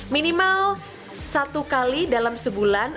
minimal satu kali dalam sebulan